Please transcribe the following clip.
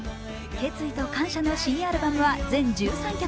決意と感謝の新アルバムは全１３曲。